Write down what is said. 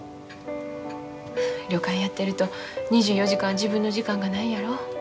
旅館やってると２４時間自分の時間がないやろ。